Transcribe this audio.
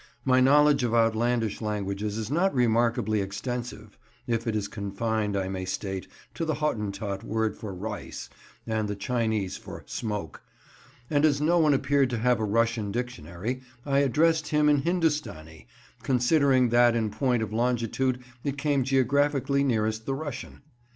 My knowledge of outlandish languages is not remarkably extensive (it is confined, I may state, to the Hottentot word for "rice" and the Chinese for "smoke"), and as no one appeared to have a Russian dictionary, I addressed him in Hindustani, considering that in point of longitude it came geographically nearest the Russian.